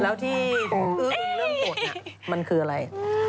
แล้วที่ก็คือเรื่องโปรดมั้ยมันคืออะไร